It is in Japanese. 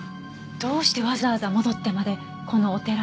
どうしてわざわざ戻ってまでこのお寺に？